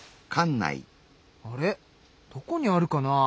あれどこにあるかな？